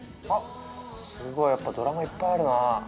すごいやっぱドラマいっぱいあるなあ。